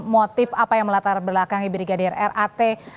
motif apa yang melatar belakang ibrigadir rat